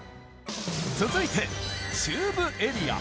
続いて中部エリア。